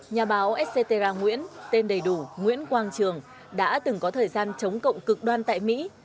nhà báo sc terra nguyễn tên đầy đủ nguyễn quang trường đã từng có thời gian chống cộng cực đoan tại mỹ